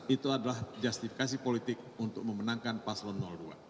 itu adalah justifikasi politik untuk memenangkan paslon dua